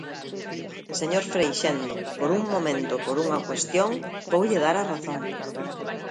Señor Freixendo, por un momento, por unha cuestión, voulle dar a razón.